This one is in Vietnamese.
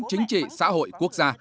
chính trị xã hội quốc gia